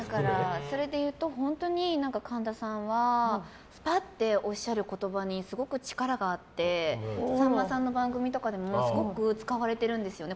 それでいうと本当に神田さんはすぱっておっしゃる言葉にすごく力があってさんまさんの番組とかでもすごく使われてるんですよね。